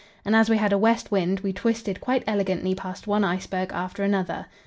and as we had a west wind, we twisted quite elegantly past one iceberg after another.